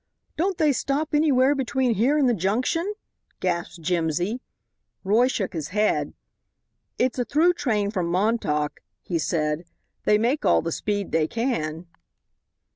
"Don't they stop anywhere between here and the junction?" gasped Jimsy. Roy shook his head. "It's a through train from Montauk," he said; "they make all the speed they can."